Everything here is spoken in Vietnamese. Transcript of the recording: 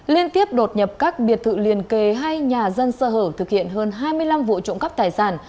liên tiếp đột nhập các biệt thự liền kề hay nhà dân sơ hở thực hiện hơn hai mươi năm vụ trộm cắp tài sản